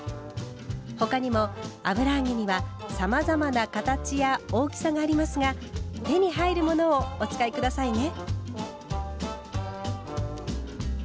他にも油揚げにはさまざまな形や大きさがありますが手に入るものをお使い下さいね。